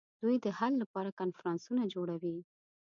دوی د حل لپاره کنفرانسونه جوړوي